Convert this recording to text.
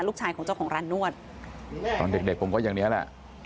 ลูกชายของเจ้าของร้านนวดตอนเด็กเด็กผมก็อย่างนี้แหละ